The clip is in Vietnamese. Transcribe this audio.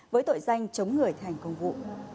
với tội danh chống người thành công vụ